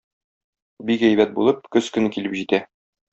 Бик әйбәт булып көз көне килеп җитә.